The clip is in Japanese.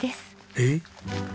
えっ？